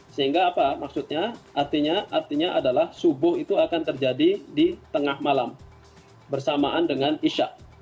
sehingga apa maksudnya artinya adalah subuh itu akan terjadi di tengah malam bersamaan dengan isya